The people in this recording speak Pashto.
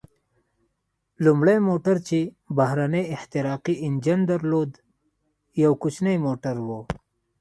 لومړی موټر چې بهرنی احتراقي انجن درلود، یو کوچنی موټر و.